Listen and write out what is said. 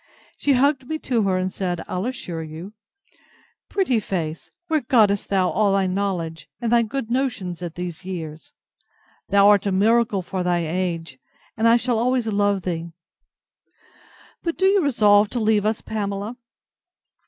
She hugged me to her, and said I'll assure you! Pretty face, where gottest thou all thy knowledge, and thy good notions, at these years? Thou art a miracle for thy age, and I shall always love thee.—But, do you resolve to leave us, Pamela?